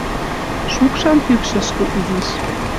Шукшан пӱкшӹшкӹ изиш.